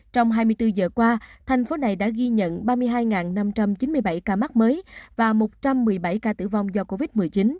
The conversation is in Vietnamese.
trong hai mươi bốn giờ qua thành phố này đã ghi nhận ba mươi hai năm trăm chín mươi bảy ca mắc mới và một trăm một mươi bảy ca tử vong do covid một mươi chín